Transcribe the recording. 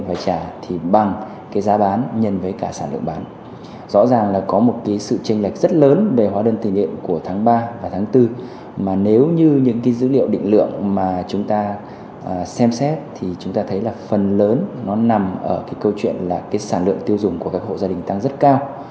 phần lớn nó nằm ở cái câu chuyện là cái sản lượng tiêu dùng của các hộ gia đình tăng rất cao